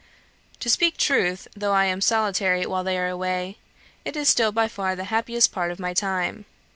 To speak truth, though I am solitary while they are away, it is still by far the happiest part of my time.